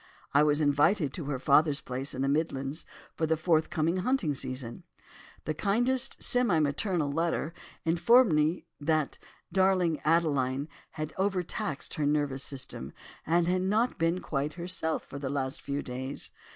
I was invited to her father's place in the Midlands, for the forthcoming hunting season. "The kindest, semi maternal letter informed me that 'darling Adeline' had overtaxed her nervous system, and not been quite herself for the last few days.